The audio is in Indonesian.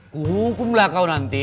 kuhukumlah kau nanti